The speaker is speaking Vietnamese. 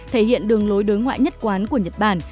thể hiện đường lối đối ngoại nhất quán của nhật bản